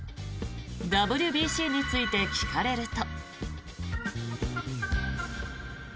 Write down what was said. ＷＢＣについて聞かれると。